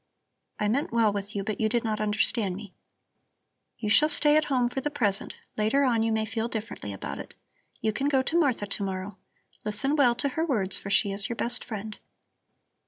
"I meant well with you, but you did not understand me. You shall stay at home for the present; later on you may feel differently about it. You can go to Martha to morrow. Listen well to her words, for she is your best friend."